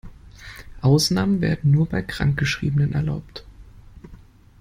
Ausnahmen werden nur bei Krankgeschriebenen erlaubt.